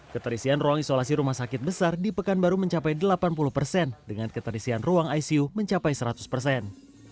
keterisian ruang isolasi rumah sakit besar di pekanbaru mencapai delapan puluh persen dengan keterisian ruang icu mencapai seratus persen